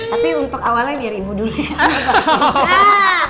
tapi untuk awalnya biar ibu duluan